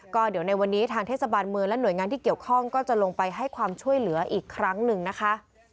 ก็เดี๋ยวในวันนี้ทางเทศบาลเมืองและหน่วยงานที่เกี่ยวข้องก็จะลงไปให้ความช่วยเหลืออีกครั้งหนึ่งนะคะ